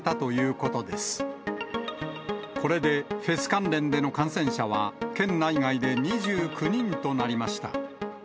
これでフェス関連での感染者は、県内外で２９人となりました。